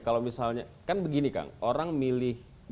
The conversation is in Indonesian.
kalau misalnya kan begini kang orang milih